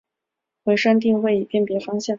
它们会用回声定位以分辨方向。